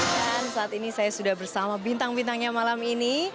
dan saat ini saya sudah bersama bintang bintangnya malam ini